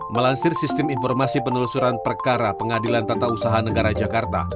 melansir sistem informasi penelusuran perkara pengadilan tata usaha negara jakarta